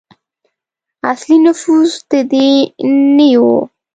اصلي نفوس د دې نیيي وو.